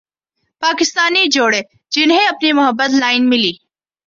پاکستانی جوڑے جنھیں اپنی محبت لائن ملی